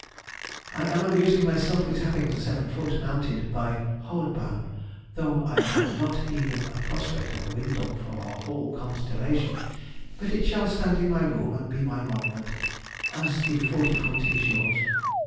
I am amusing myself with having the seven foot mounted by Hohenbaum, though I have not even a prospect of a window for a whole constellation, but it shall stand in my room and be my monument—as the forty foot is yours.